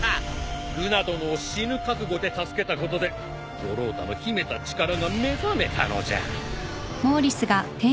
ルナ殿を死ぬ覚悟で助けたことで五郎太の秘めた力が目覚めたのじゃ。